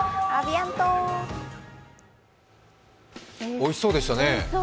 おいしそうでしたね。